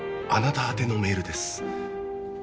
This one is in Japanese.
あなた宛てのメールです